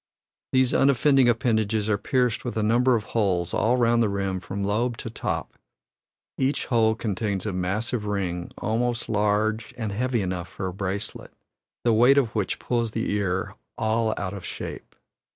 These unoffending appendages are pierced with a number of holes all round the rim from lobe to top; each hole contains a massive ring almost large and heavy enough for a bracelet, the weight of which pulls the ear all out of shape.